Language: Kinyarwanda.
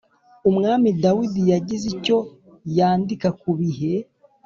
Umwami dawidi yagize icyo yandika ku bihe